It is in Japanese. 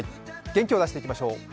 元気を出していきましょう。